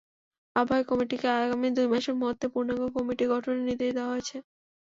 আহ্বায়ক কমিটিকে আগামী দুই মাসের মধ্যে পূর্ণাঙ্গ কমিটি গঠনের নির্দেশ দেওয়া হয়েছে।